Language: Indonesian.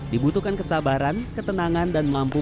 dibutuhkan kesabaran ketenangan dan mampu